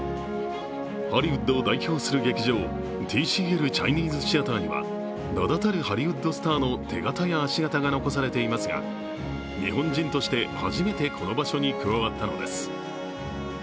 ハリウッドを代表する劇場ＴＣＬチャイニーズシアターには名だたるハリウッドスターの手形や足形が残されていますが、日本人として初めてこの場所に加わったのです。